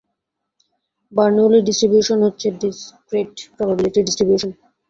Bernoulli distribution হচ্ছে discrete probability distribution.